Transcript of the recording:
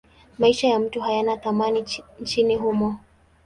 Maisha ya mtu hayana thamani nchini humo.